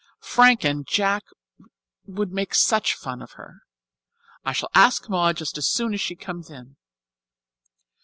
Frank and Jack would make such fun of her. I shall ask Maud just as soon as she comes in."